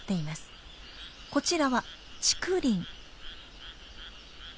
こちらは竹林。